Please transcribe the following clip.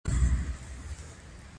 استاد بینوا د ادب په ډګر کې یو اتل و.